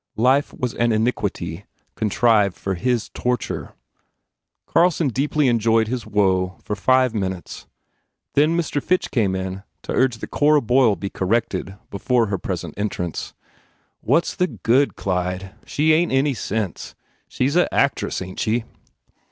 Life was an iniquity contrived for his tor ture. Carlson deeply enjoyed his woe for five minutes. Then Mr. Fitch came in to urge that Cora Boyle be corrected before her present en trance. "What s the good, Clyde? She ain t any sense. She s a actress, ain t she?"